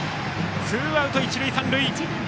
ツーアウト一塁三塁。